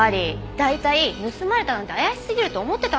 大体盗まれたなんて怪しすぎると思ってたんですよ。